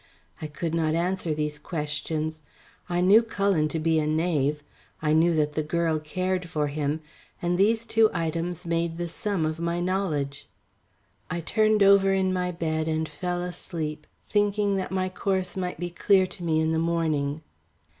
I could not answer these questions. I knew Cullen to be a knave, I knew that the girl cared for him, and these two items made the sum of my knowledge. I turned over in my bed and fell asleep, thinking that my course might be clear to me in the morning.